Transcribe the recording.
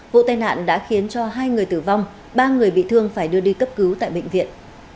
vụ tai nạn đã khiến cho hai người tử vong ba người bị thương phải đưa đi cấp cứu tại bệnh viện